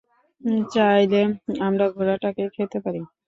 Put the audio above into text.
চাইলে আমরা ঘোড়া টাকে খেতে পারি।